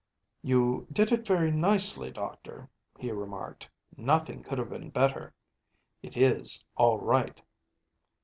“You did it very nicely, Doctor,‚ÄĚ he remarked. “Nothing could have been better. It is all right.